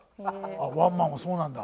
あっワンマンもそうなんだ。